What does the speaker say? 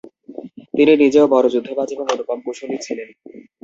তিনি নিজেও বড় যুদ্ধবাজ এবং অনুপম কুশলী ছিলেন।